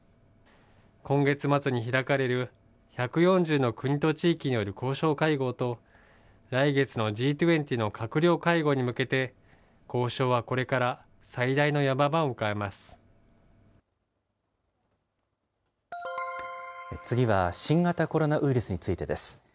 今月末に開かれる１４０の国と地域による交渉会合と、来月のＧ２０の閣僚会合に向けて、交渉はこれから最大のヤマ場を迎次は新型コロナウイルスについてです。